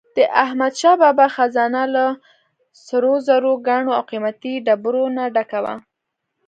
د احمدشاه بابا خزانه له سروزرو، ګاڼو او قیمتي ډبرو نه ډکه وه.